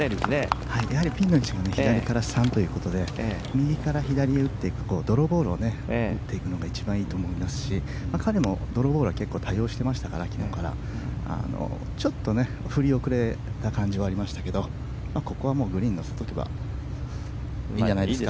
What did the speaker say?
やはりピンの位置が左から３ということで右から左へ打っていくドローボールを打っていくのが一番いいと思いますし彼もドローボールは昨日から多用していましたからちょっと振り遅れた感じはありましたけどここはグリーンに乗せておけば。